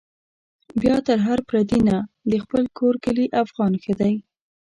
بيا تر هر پردي نه، د خپل کور کلي افغان ښه دی